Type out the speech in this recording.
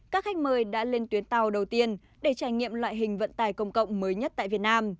các khách mời đã lên tuyến tàu đầu tiên để trải nghiệm loại hình vận tài công cộng mới nhất tại việt nam